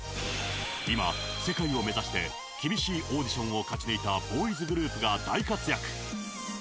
今、世界を目指して厳しいオーディションを勝ち抜いたボーイズグループが大活躍。